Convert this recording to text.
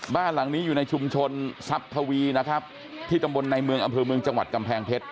บ้านหลังนี้อยู่ในชุมชนซับทวีนะครับที่ตำบลในเมืองอำเภอเมืองจังหวัดกำแพงเพชร